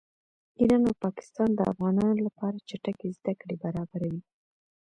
ایران او پاکستان د افغانانو لپاره چټکې زده کړې برابروي